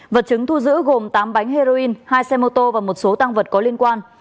vật chứng thu giữ gồm tám bánh heroin hai xe mô tô và một số tăng vật có liên quan